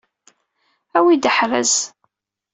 Awi-d aḥraz.